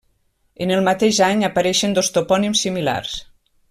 En el mateix any apareixen dos topònims similars: